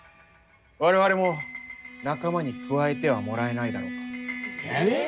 我々も仲間に加えてはもらえないだろうか。ええ！？